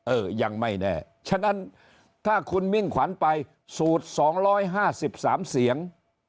เออยังไม่แน่ฉะนั้นถ้าคุณมิ่งขวัญไปสูตรสองร้อยห้าสิบสามเสียง